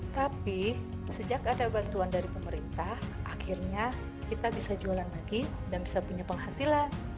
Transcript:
tapi sejak ada bantuan dari pemerintah akhirnya kita bisa jualan lagi dan bisa punya penghasilan